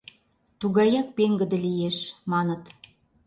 Тугаяк пеҥгыде лиеш, — маныт.